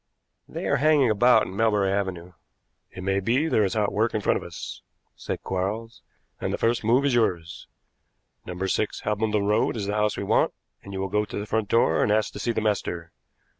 "They are hanging about in Melbury Avenue." "It may be there is hot work in front of us," said Quarles, "and the first move is yours. No. 6 Hambledon Road is the house we want, and you will go to the front door and ask to see the master.